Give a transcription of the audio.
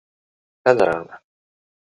ښځه راغله.